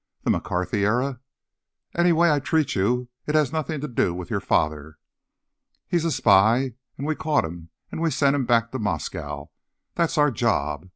The McCarthy era? Any way I treat you, it has nothing to do with your father. He's a spy, and we caught him and we sent him back to Moscow. That's our job.